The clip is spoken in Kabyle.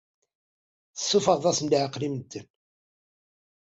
Tessuffɣeḍ-asen leɛqel i medden.